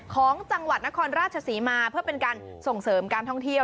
ของจังหวัดนครราชศรีมาเพื่อเป็นการส่งเสริมการท่องเที่ยว